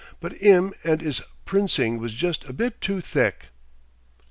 But 'im and 'is princing was jest a bit too thick!"